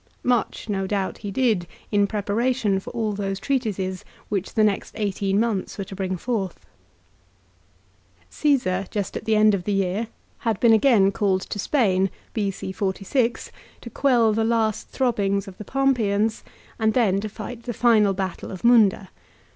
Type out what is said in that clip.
Much no doubt he did, in preparation for all those treatises which the next eighteen months were to bring forth. Caesar, just at the end of the year, had been again 1 Ad Div. lib. ix. 16. 186 LIFE OF CICERO. called to Spain, B.C. 46, to quell the last throbbings of the Pompeians, and then to fight the final battle of Munda.